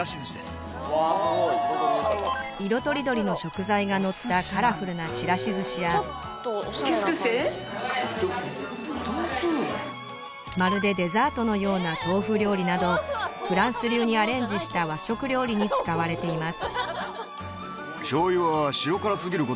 色とりどりの食材が載ったカラフルなチラシ寿司やまるでデザートのような豆腐料理などフランス流にアレンジした和食料理に使われています